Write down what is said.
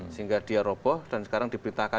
sehingga dia roboh dan sekarang diperintahkan